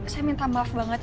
saya minta maaf banget